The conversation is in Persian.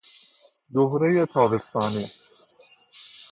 دورهی تابستانی